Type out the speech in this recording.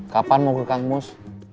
kapan mau ke kampus